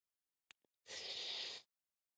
افغانستان له پابندی غرونه ډک دی.